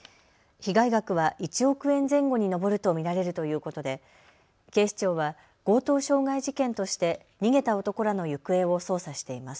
被害額は１億円前後に上ると見られるということで警視庁は強盗傷害事件として逃げた男らの行方を捜査しています。